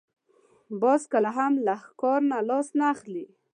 باز کله هم له ښکار لاس نه اخلي